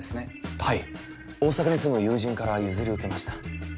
はい大阪に住む友人から譲り受けました